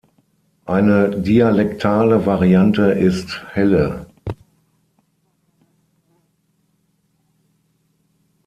Eine dialektale Variante ist Helle.